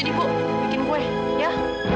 kalau benar arman itu anaknya mas wisnu ya